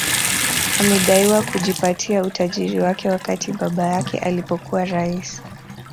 Amedaiwa kujipatia utajiri wake wakati baba yake alipokuwa rais